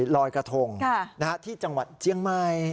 ลอยกระทงที่จังหวัดเจียงใหม่